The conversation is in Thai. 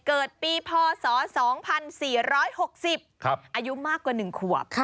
เกิดปีพ่อสองพันสี่ร้อยหกสิบครับอายุมากกว่าหนึ่งขวบครับ